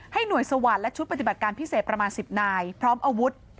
หน่วยสวรรค์และชุดปฏิบัติการพิเศษประมาณ๑๐นายพร้อมอาวุธ